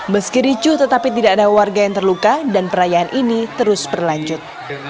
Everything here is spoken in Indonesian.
meski ricuh tetapi tidak ada warga yang terluka dan perayaan ini terus berlanjut